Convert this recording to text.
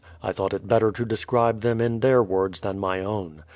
I thought it better to describe them in their words than my own.